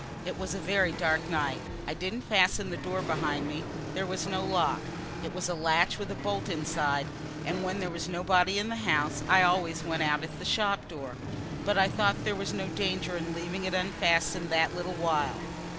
It was a very dark night. I didn't fasten the door behind me; there was no lock; it was a latch with a bolt inside, and when there was nobody in the house I always went out at the shop door. But I thought there was no danger in leaving it unfastened that little while.